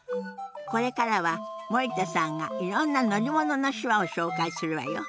これからは森田さんがいろんな乗り物の手話を紹介するわよ。